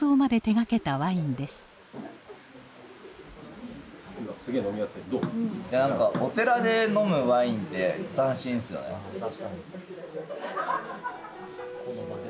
えっ何かお寺で飲むワインって斬新っすよね。